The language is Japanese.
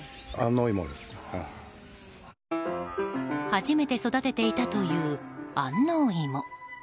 初めて育てていたという安納芋。